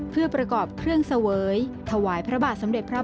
เพื่อประกอบเครื่องเสวยถวายพระบาทสมเด็จพระ